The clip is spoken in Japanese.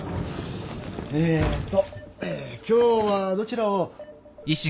えっと今日はどちらを。